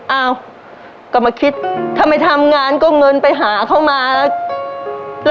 อ้าวก็มาคิดถ้าไม่ทำงานก็เงินไปหาเขามา